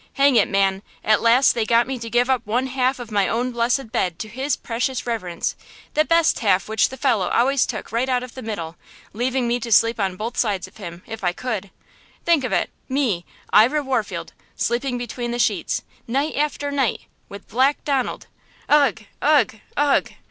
Hang it, man, at last they got me to give up one half of my own blessed bed to his precious reverence–the best half which the fellow always took right out of the middle, leaving me to sleep on both sides of him, if I could! Think of it–me, Ira Warfield–sleeping between the sheets–night after night–with Black Donald! Ugh! ugh! ugh!